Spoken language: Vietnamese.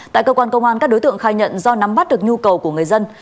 tại cơ quan công an các đối tượng khai nhận do nắm bắt được nhu cầu của người dân